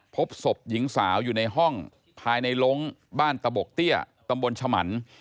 พบศพหญิงสาวอยู่ในห้องภายในลงบ้านตะบกเตี้ยตำบลฉมัน